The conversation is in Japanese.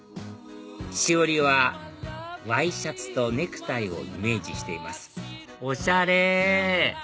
しおりはＹシャツとネクタイをイメージしていますおしゃれ！